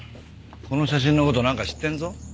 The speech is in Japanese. この写真の事なんか知ってるぞ。